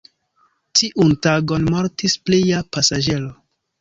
Tiun tagon mortis plia pasaĝero.